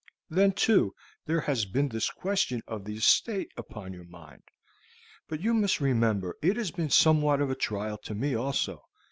Then, too, there has been this question of the estate upon your mind. But you must remember it has been somewhat of a trial to me also.